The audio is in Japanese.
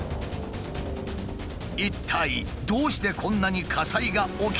一体どうしてこんなに火災が起きているのか？